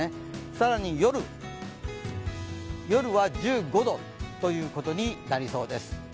更に夜は１５度ということになりそうです。